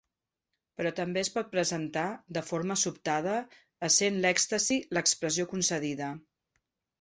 Però també es pot presentar de forma sobtada essent l'èxtasi l'expressió concedida.